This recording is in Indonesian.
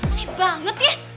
unik banget ya